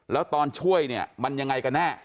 แล้วตอนช่วยเนี่ยมันยังไงกันแน่